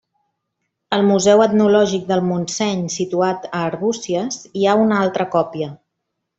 Al museu Etnològic del Montseny, situat a Arbúcies, hi ha una altra còpia.